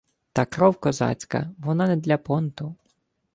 Та кров козацька – вона не для понту: